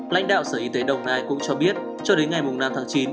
lãnh đạo sở y tế đồng nai cũng cho biết cho đến ngày năm tháng chín